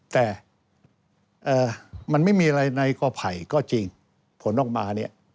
แต่มันไม่มีอะไรในกอไผ่ก็จริงผลออกมาเนี่ย